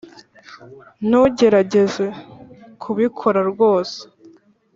ntugerageze. kubikora rwose